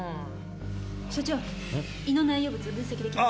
所長胃の内容物分析できました。